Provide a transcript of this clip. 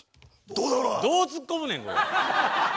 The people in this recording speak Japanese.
どうツッコむねんこれ。